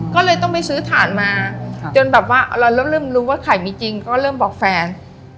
ก็เลยต้องไปซื้อถ่านมาจนแบบว่าเราเริ่มรู้ว่าไข่มีจริงก็เริ่มบอกแฟน